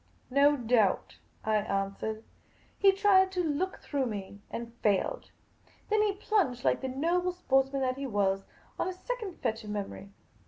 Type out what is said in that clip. " No doubt," I answered. He tried to look through me, and failed. Then he plunged, like the noble sportsman that he was, on a second fetch of memory.